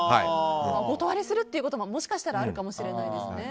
お断りするということももしかしたらあるかもしれないですね。